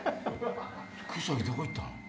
国崎どこ行ったん？